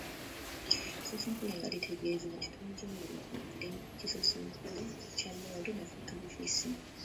Kisosonkole nga litegeeza nti “nze tonzannyirako, ndi kisosonkole kya mmundu, nafikka bufissi.”